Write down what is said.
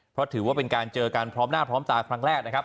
เพราะถือว่าเป็นการเจอกันพร้อมหน้าพร้อมตาครั้งแรกนะครับ